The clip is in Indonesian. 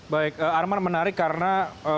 baik arman menarik karena